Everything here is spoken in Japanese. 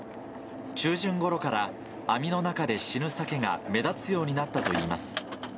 中旬ごろから網の中で死ぬサケが目立つようになったといいます。